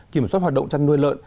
kiểm soát hoạt động chân nuôi lợn